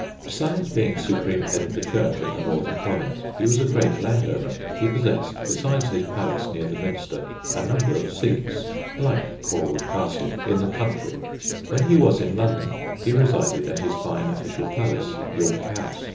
Besides being supreme head of the Church in the northern province, he was a great landowner. He possessed, besides his palace near the Minster, a number of seats (like Cawood Castle) in the country. When he was in London he resided at his fine official palace, York House.